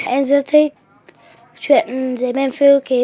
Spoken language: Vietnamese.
em rất thích chuyện dế mèn phiêu lưu ký